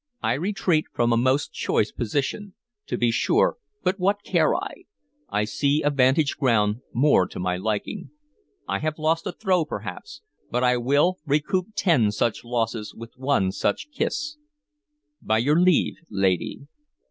I retreat from a most choice position, to be sure, but what care I? I see a vantage ground more to my liking. I have lost a throw, perhaps, but I will recoup ten such losses with one such kiss. By your leave, lady."